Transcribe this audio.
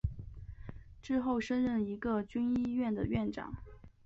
之后升任一个军医院的院长。